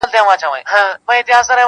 • زه به د هغه ملاتړی یم -